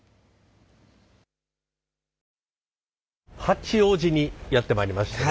八王子にやって参りまして。